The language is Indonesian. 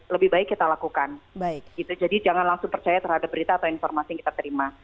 lebih baik kita lakukan jadi jangan langsung percaya terhadap berita atau informasi yang kita terima